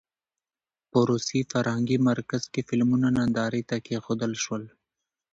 په روسي فرهنګي مرکز کې فلمونه نندارې ته کېښودل شول.